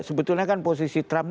sebetulnya kan posisi trumpnya